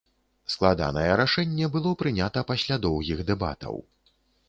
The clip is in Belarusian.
Складанае рашэнне было прынята пасля доўгіх дэбатаў.